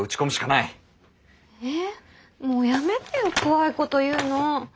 えもうやめてよ怖いこと言うの。